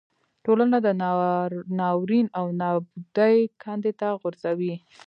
ټولنه د ناورین او نابودۍ کندې ته غورځوي.